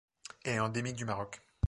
Elle est endémique du Maroc.